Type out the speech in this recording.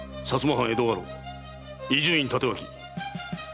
藩江戸家老・伊集院帯刀その方